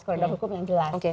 koridor hukum yang jelas